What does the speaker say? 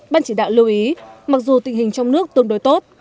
ban chỉ đạo lưu ý mặc dù tình hình trong nước tương đối tốt